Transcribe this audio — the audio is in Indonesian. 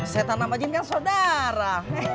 setan nama jin kan saudara